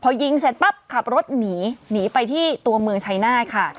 พอยิงเสร็จปั๊บขับรถหนีหนีไปที่ตัวเมืองชายนาฏค่ะ